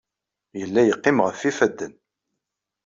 Yella yeqqim ɣef yifadden.